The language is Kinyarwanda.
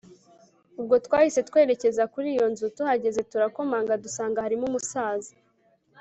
ubwo twahise twerekeza kuriyo nzu, tuhageze turakomanga dusanga harimo umusaza